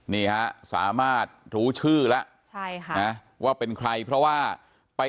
นี่ฮะสามารถรู้ชื่อล่ะว่าเป็นใครเพราะว่า